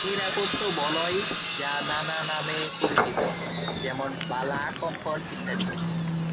মেয়েরা পরত বলয় যা নানা নামে পরিচিত, যেমন বালা, কঙ্কন ইত্যাদি।